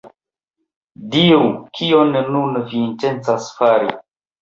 Diru, kion nun vi intencas fari?